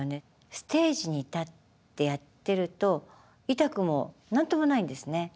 ステージに立ってやってると痛くも何ともないんですね。